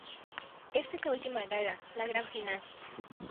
Esta es la última gala "La Gran Final".